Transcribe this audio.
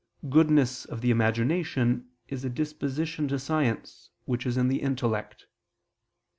goodness of the imagination is a disposition to science which is in the intellect.